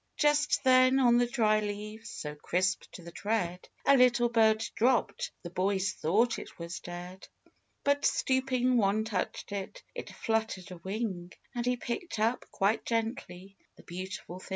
Just then, on the dry leaves, so crisp to the tread, A little bird dropped; the boys thought it was , dead ; But stooping, one touched it, it fluttered a wing, And he picked up, quite gently, the beautiful thing.